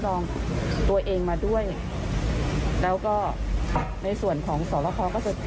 รู้แล้วเหรอบอกหน่อยสิ